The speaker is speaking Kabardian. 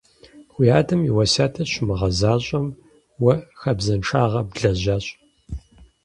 Уи адэм и уэсятыр щумыгъэзэщӀэм, уэ хабзэншагъэ блэжьащ.